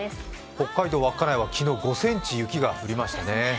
北海道稚内は昨日５ｃｍ雪が降りましたね。